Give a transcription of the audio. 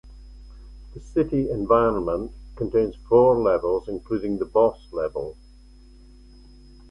The city environment contains four levels including the boss level.